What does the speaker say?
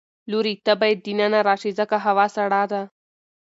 لورې ته باید د ننه راشې ځکه هوا سړه ده.